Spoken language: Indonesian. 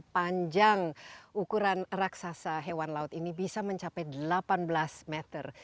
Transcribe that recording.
panjang ukuran raksasa hewan laut ini bisa mencapai delapan belas meter